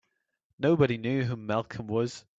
Nobody knew who Malcolm was.